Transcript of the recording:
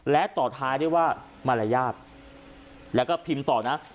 และต่อท้ายด้วยว่ามารยาทแล้วก็พิมพ์ต่อนะ